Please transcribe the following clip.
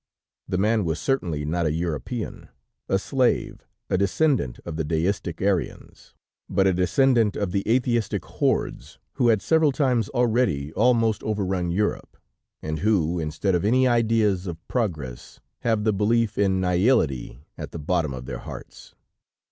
The man was certainly not a European, a slave, a descendant of the deistic Aryans, but a descendant of the Atheistic hordes, who had several times already almost overrun Europe, and who, instead of any ideas of progress, have the belief in nihility, at the bottom of their hearts.